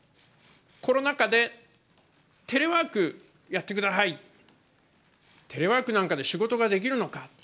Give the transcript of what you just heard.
コロナ禍でテレワークをやってください、テレワークなんかで仕事ができるのか？